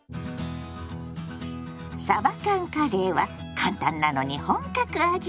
「さば缶カレー」は簡単なのに本格味。